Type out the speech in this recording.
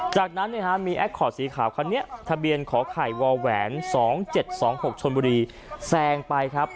จากนั้นมีแอคคอร์ดสีขาวคันนี้ทะเบียนขอไข่วแหวน๒๗๒๖ชนบุรีแซงไปครับ